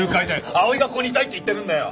碧唯がここにいたいって言ってるんだよ！